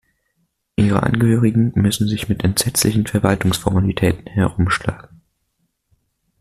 Ihre Angehörigen müssen sich mit entsetzlichen Verwaltungsformalitäten herumschlagen.